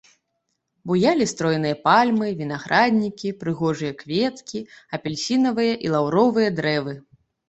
Буялі стройныя пальмы, вінаграднікі, прыгожыя кветкі, апельсінавыя і лаўровыя дрэвы.